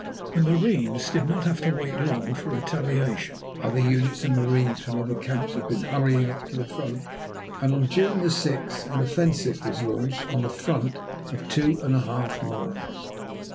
The marines did not have to wait long for retaliation. Other units of marines from other camps had been hurrying up to the front, and on June 6 an offensive was launched on a front of two and a half miles.